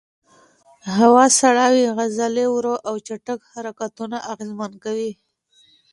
هوا سړه وي، عضلې ورو او چټک حرکتونه اغېزمن کوي.